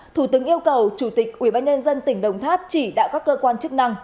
thủ tướng yêu cầu chủ tịch ubnd tỉnh đồng tháp chỉ đạo các cơ quan chức năng